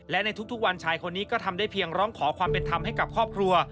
และในทุกวันชายคนนี้ก็ทำได้เพียงร้องขอความเป็นธรรมให้กับครอบครัว